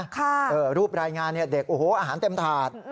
ส่งรูปรายงานเด็กอาหารเต็มถาด